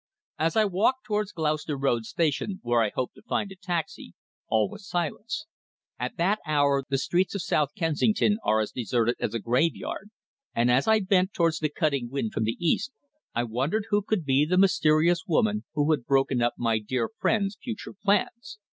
As I walked towards Gloucester Road Station where I hoped to find a taxi all was silence. At that hour the streets of South Kensington are as deserted as a graveyard, and as I bent towards the cutting wind from the east, I wondered who could be the mysterious woman who had broken up my dear friend's future plans.